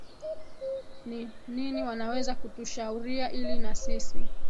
ni nini wanaweza kutushauria ili na sisi